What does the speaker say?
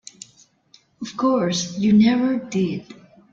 Of course you never did.